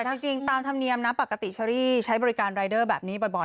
แต่จริงตามธรรมเนียมนะปกติเชอรี่ใช้บริการรายเดอร์แบบนี้บ่อย